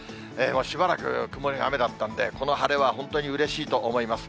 しばらく曇りや雨だったんで、この晴れは本当にうれしいと思います。